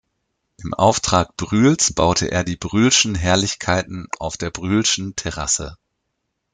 Im Auftrag Brühls baute er die Brühlschen Herrlichkeiten auf der Brühlschen Terrasse.